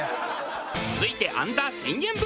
続いてアンダー１０００円部門。